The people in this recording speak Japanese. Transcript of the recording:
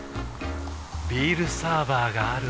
ビールサーバーがある夏。